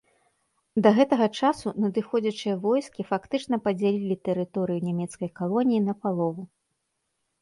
Да гэтага часу надыходзячыя войскі фактычна падзялілі тэрыторыю нямецкай калоніі напалову.